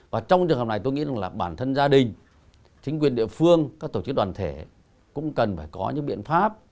và trong trường hợp này tôi nghĩ rằng là bản thân gia đình chính quyền địa phương các tổ chức đoàn thể cũng cần phải có những biện pháp